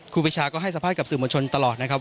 ครูปีชาก็ให้สัมภาษณ์กับสื่อมวลชนตลอดนะครับ